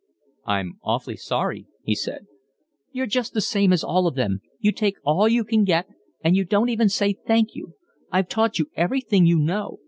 "I'm awfully sorry," he said. "You're just the same as all of them. You take all you can get, and you don't even say thank you. I've taught you everything you know.